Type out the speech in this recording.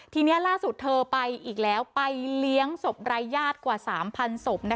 ทีนี้ล่าสุดเธอไปอีกแล้วไปเลี้ยงศพรายญาติกว่า๓๐๐ศพ